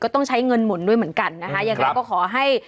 ต้องใช้เงินหมุนด้วยเหมือนกันนะคะยังไงก็ขอให้